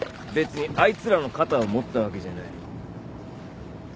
別にあいつらの肩を持ったわけじゃない。